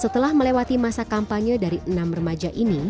setelah melewati masa kampanye dari enam remaja ini